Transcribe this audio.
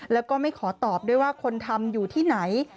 แล้วก็ไม่ขอตอบด้วยว่าคนทำอยู่ที่ไหน